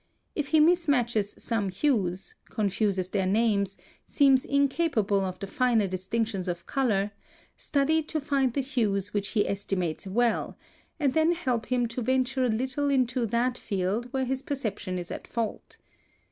If he mismatches some hues, confuses their names, seems incapable of the finer distinctions of color, study to find the hues which he estimates well, and then help him to venture a little into that field where his perception is at fault.